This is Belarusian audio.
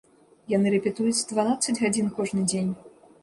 Яны рэпетуюць дванаццаць гадзін кожны дзень.